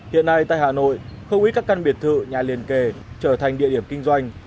hiện nay tại hà nội không ít các căn biệt thự nhà liên kề trở thành địa điểm kinh doanh